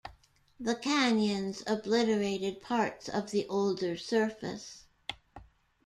The canyons obliterated parts of the older surface.